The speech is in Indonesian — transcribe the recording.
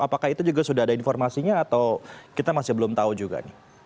apakah itu juga sudah ada informasinya atau kita masih belum tahu juga nih